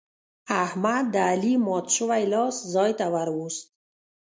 احمد د علي مات شوی لاس ځای ته ور ووست.